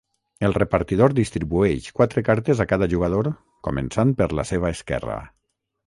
El repartidor distribueix quatre cartes a cada jugador començant per la seva esquerra.